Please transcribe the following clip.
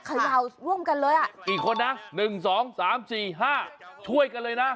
เขย่าร่วมกันเลยอ่ะกี่คนนะหนึ่งสองสามสี่ห้าช่วยกันเลยนะ